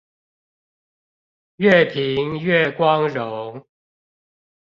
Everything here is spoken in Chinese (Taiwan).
越貧越光榮！